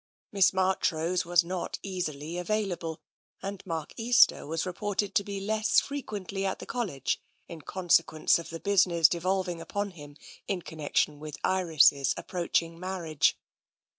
Miss Marchrose was not easily available, and Mark Easter was reported to be less frequently at the College in consequence of the business devolving upon him in connection with Iris' approaching marriage.